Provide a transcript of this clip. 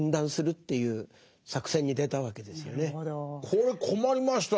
これ困りましたね。